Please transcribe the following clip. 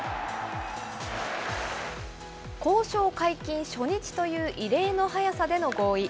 交渉解禁初日という異例の早さでの合意。